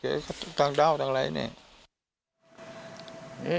เกรียงละกับตังค์เดาดังอะไรเนี่ย